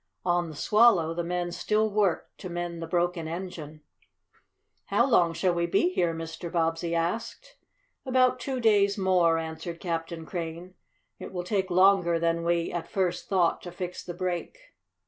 On the Swallow the men still worked to mend the broken engine. "How long shall we be here?" Mr. Bobbsey asked. "About two days more," answered Captain Crane. "It will take longer than we at first thought to fix the break."